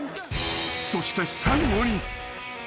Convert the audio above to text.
［そして最後に］